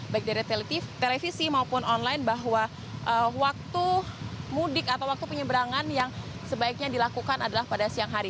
baik dari televisi maupun online bahwa waktu mudik atau waktu penyeberangan yang sebaiknya dilakukan adalah pada siang hari